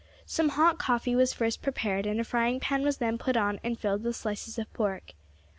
Some hot coffee was first prepared, and a frying pan was then put on and filled with slices of pork.